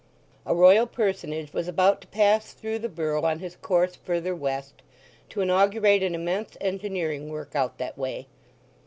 A Royal Personage was about to pass through the borough on his course further west, to inaugurate an immense engineering work out that way.